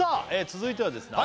続いてはですね